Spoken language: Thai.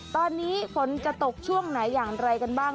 ตอนนี้ฝนจะตกช่วงไหนอย่างไรกันบ้าง